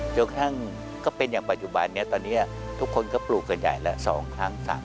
กระทั่งก็เป็นอย่างปัจจุบันนี้ตอนนี้ทุกคนก็ปลูกกันใหญ่แล้ว๒ครั้ง